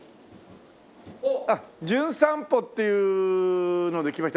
『じゅん散歩』っていうので来ました。